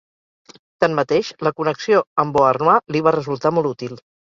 Tanmateix, la connexió amb Beauharnois li va resultar molt útil.